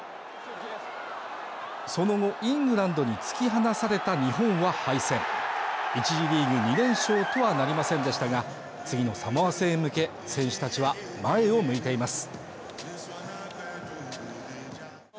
その後イングランドに突き放された日本は敗戦１次リーグ２連勝とはなりませんでしたが次のサモア戦へ向け選手たちは前を向いています